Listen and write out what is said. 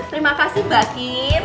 terima kasih mbak kim